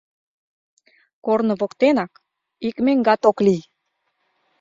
Корно воктенак, ик меҥгат ок лий.